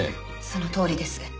そのとおりです。